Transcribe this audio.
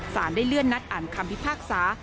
สารได้เลื่อนนัดอ่านคำพิพากษา